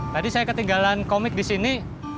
tadi saya ketinggalan komik di sini